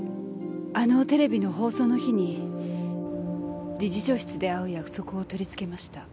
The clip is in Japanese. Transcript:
あのテレビの放送の日に理事長室で会う約束をとりつけました。